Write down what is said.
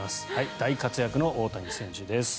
大活躍の大谷選手です。